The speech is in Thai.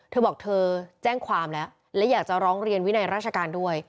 เธอบอกเธอแจ้งความแล้วและอยากจะร้องเรียนวินัยราชการด้วย